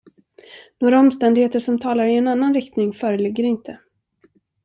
Några omständigheter som talar i en annan riktning föreligger inte.